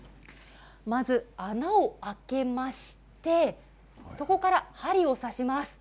まず穴を開けましてそこから針を刺します。